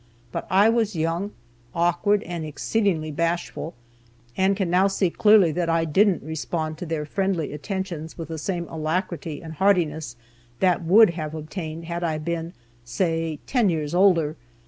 But I was young, awkward, and exceedingly bashful, and can now see clearly that I didn't respond to their friendly attentions with the same alacrity and heartiness that would have obtained had I been, say, ten years older.